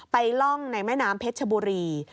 ล่องในแม่น้ำเพชรชบุรี